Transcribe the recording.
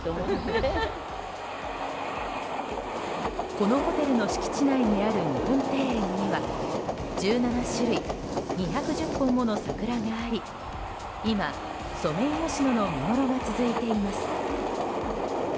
このホテルの敷地内にある日本庭園には１７種類２１０本もの桜があり今、ソメイヨシノの見ごろが続いています。